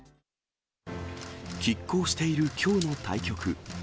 きっ抗しているきょうの対局。